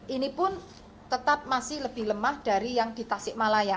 ini pun tetap masih lebih lemah dari yang di tasik malaya